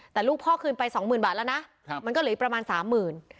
แต่ลูกพ่อคืนไปสองหมื่นบาทแล้วนะมันก็เหลืออีกประมาณสามหมื่น